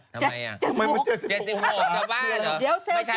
ทำไมอะทำไมมันเจ็ดสิบหกเจ็ดสิบหกจะว่าเหรอ